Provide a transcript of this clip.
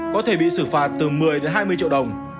có thể bị xử phạt từ một mươi đến hai mươi triệu đồng